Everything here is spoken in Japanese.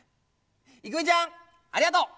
いくみちゃんありがとう！